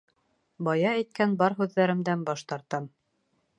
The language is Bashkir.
Бая әйткән бар һүҙҙәремдән баш тартам.